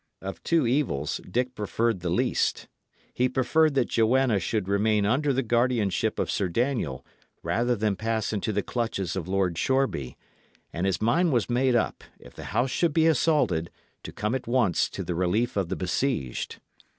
Of two evils, Dick preferred the least. He preferred that Joanna should remain under the guardianship of Sir Daniel rather than pass into the clutches of Lord Shoreby; and his mind was made up, if the house should be assaulted, to come at once to the relief of the besieged.